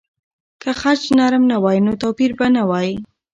که خج نرم نه وای، نو توپیر به نه وای.